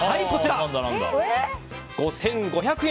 ５５００円